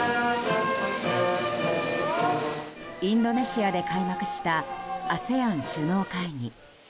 インドネシアで開幕したＡＳＥＡＮ首脳会議。